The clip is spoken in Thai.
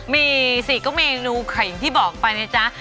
มีสิก็เมนูอย่างที่บอกไปนะจ๊ะ